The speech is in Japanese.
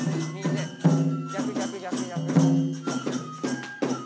逆逆逆逆。